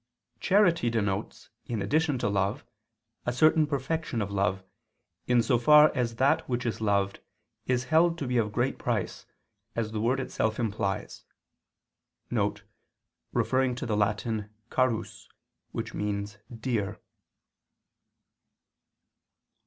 Charity denotes, in addition to love, a certain perfection of love, in so far as that which is loved is held to be of great price, as the word itself implies [*Referring to the Latin "carus" (dear)].